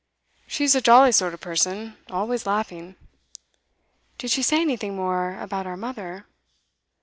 She's a jolly sort of person, always laughing.' 'Did she say anything more about our mother?